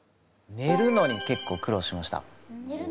ねるのに結構苦労しました。